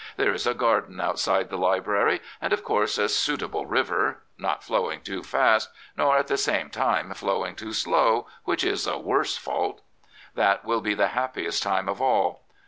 There is a garden out side the library, and, of course, a suitable river — not flowing too fast, nor, at the same time, flowing too slow, which is a worse fault. That will be the happiest time of all.